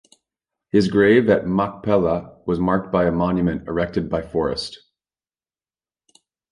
His grave at Machpelah was marked by a monument erected by Forrest.